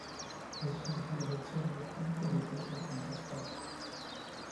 Esso include azioni di attacco, difesa e contrattacco.